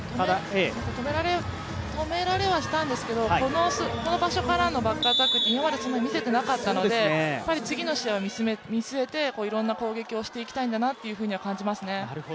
止められはしたんですけれども、この場所からのバックアタック、今までそんなに見せてなかったんですけど、次の試合を見据えていろんな攻撃をしていきたいんだなというのは感じますね。